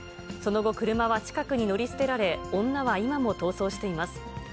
その後、車は近くに乗り捨てられ、女は今も逃走しています。